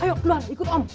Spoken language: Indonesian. ayo keluar ikut om